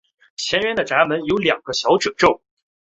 前缘的阀门有两个小皱褶。